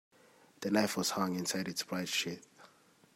The knife was hung inside its bright sheath.